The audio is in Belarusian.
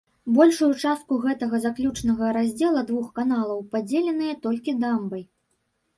Большую частку гэтага заключнага раздзела двух каналаў падзеленыя толькі дамбай.